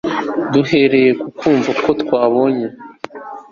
Duhereye ku kumva ko twabanye